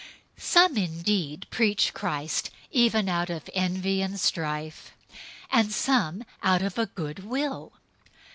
001:015 Some indeed preach Christ even out of envy and strife, and some also out of good will.